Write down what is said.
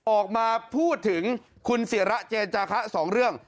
ออกมาพูดถึงคุณศิระเจนจาคะสองเรื่อง